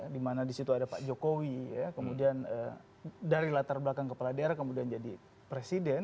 di mana di situ ada pak jokowi kemudian dari latar belakang kepala daerah kemudian jadi presiden